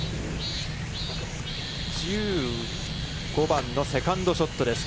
１５番のセカンドショットです。